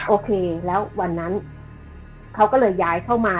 โอเคแล้ววันนั้นเขาก็เลยย้ายเข้ามา